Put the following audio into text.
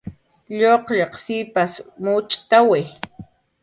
Lluqllaq sipas mucht'awi